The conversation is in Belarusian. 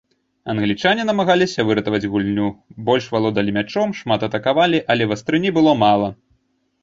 Англічане намагаліся выратаваць гульню, больш валодалі мячом, шмат атакавалі, але вастрыні было мала.